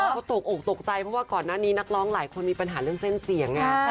เขาตกอกตกใจเพราะว่าก่อนหน้านี้นักร้องหลายคนมีปัญหาเรื่องเส้นเสียงไง